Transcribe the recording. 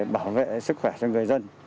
bảo vệ sức khỏe cho người dân